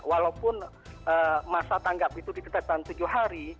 walaupun masa tanggap itu ditetapkan tujuh hari